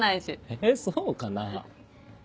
えそうかな？